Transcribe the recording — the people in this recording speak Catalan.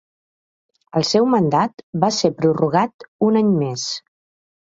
El seu mandat va ser prorrogat un any més.